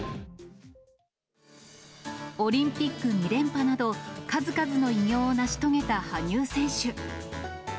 オリンピック２連覇など、数々の偉業を成し遂げた羽生選手。